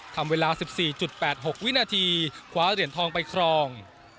ทำเวลา๑๔๘๖วินาทีคว้าเหรียญทองไปครอง